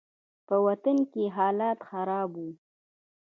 په وطن کښې حالات خراب وو.